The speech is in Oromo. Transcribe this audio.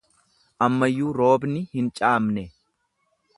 Ammayyuu roobni hin caamne.